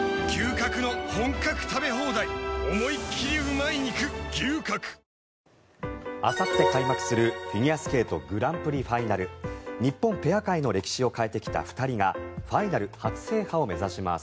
ただ民間が一方、過去最高でもあさって開幕するフィギュアスケートグランプリファイナル。日本ペア界の歴史を変えてきた２人がファイナル初制覇を目指します。